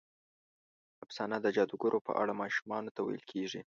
افسانه د جادوګرو په اړه ماشومانو ته ویل کېږي.